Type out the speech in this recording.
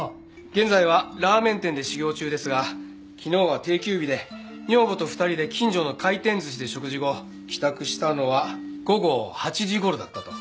現在はラーメン店で修業中ですが昨日は定休日で女房と２人で近所の回転寿司で食事後帰宅したのは午後８時頃だったと。